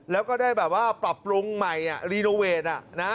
แล้วก็ได้แบบว่าปรับปรุงใหม่รีโนเวท